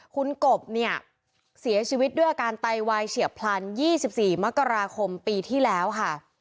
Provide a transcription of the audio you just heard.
คุณกบเนี่ยเสียชีวิตด้วยอาการไตวายเฉียบพลัน๒๔มกราคมปีที่แล้วค่ะ